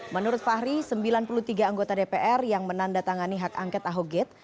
menurut fahri sembilan puluh tiga anggota dpr yang menandatangani hak angket ahok gate